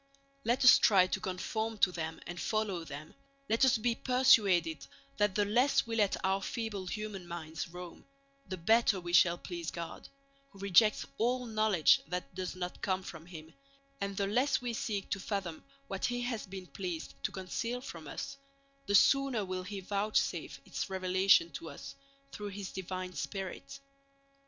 Let us try to conform to them and follow them, and let us be persuaded that the less we let our feeble human minds roam, the better we shall please God, who rejects all knowledge that does not come from Him; and the less we seek to fathom what He has been pleased to conceal from us, the sooner will He vouchsafe its revelation to us through His divine Spirit.